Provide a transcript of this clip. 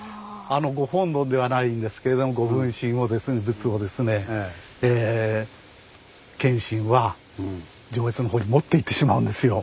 ご本尊ではないんですけれどもご分身仏をですね謙信は上越のほうに持っていってしまうんですよ。